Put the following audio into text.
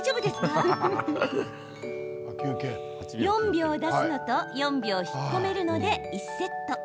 ４秒出すのと４秒引っ込めるので１セット。